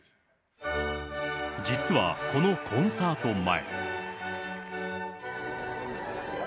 実はこのコンサート前。